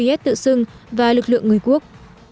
viết tự xưng và lực lượng người quốc